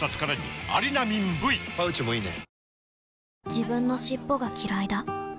自分の尻尾がきらいだ